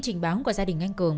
trình báo của gia đình anh cường